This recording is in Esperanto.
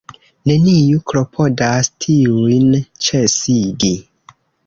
Neniu klopodas tiujn ĉesigi.